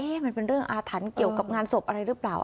มันเป็นเรื่องอาถรรพ์เกี่ยวกับงานศพอะไรหรือเปล่า